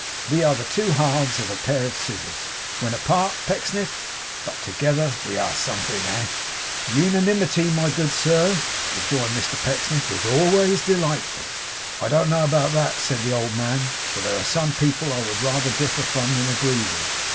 We are the two halves of a pair of scissors, when apart, Pecksniff; but together we are something. Eh?' 'Unanimity, my good sir,' rejoined Mr Pecksniff, 'is always delightful.' 'I don't know about that,' said the old man, 'for there are some people I would rather differ from than agree with.